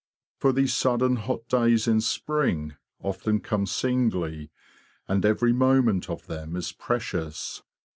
For these sudden hot days in spring often come singly, and every moment of them is precious.